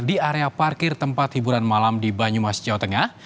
di area parkir tempat hiburan malam di banyumas jawa tengah